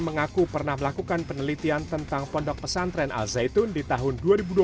mengaku pernah melakukan penelitian tentang pondok pesantren al zaitun di tahun dua ribu dua puluh